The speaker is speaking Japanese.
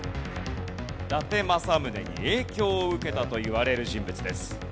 伊達政宗に影響を受けたといわれる人物です。